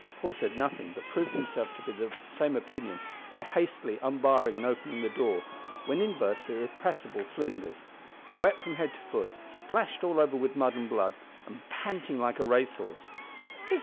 Paul said nothing, but proved himself to be of the same opinion by hastily unbarring and opening the door, when in burst the irrepressible Flinders, wet from head to foot, splashed all over with mud and blood, and panting like a race horse.